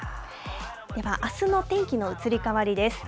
では、あすの天気の移り変わりです。